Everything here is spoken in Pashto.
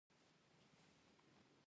ایا زما پوټکی روغ دی؟